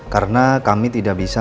karena kami tidak bisa